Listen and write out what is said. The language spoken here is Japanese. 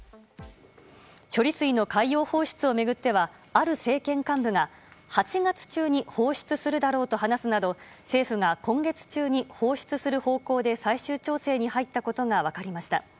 処理水の海洋放出を巡ってはある政権幹部が、８月中に放出するだろうと話すなど政府が今月中に放出する方向で最終調整に入ったことが分かりました。